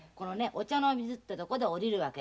御茶ノ水ってとこで降りるわけ。